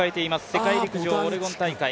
世界陸上オレゴン大会。